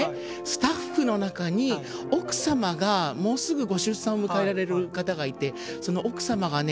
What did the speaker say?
スタッフの中に奥様がもうすぐご出産を迎えられる方がいてその奥様がね